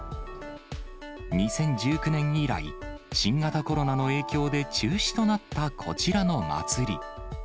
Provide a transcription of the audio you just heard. ２０１９年以来、新型コロナの影響で中止となったこちらのまつり。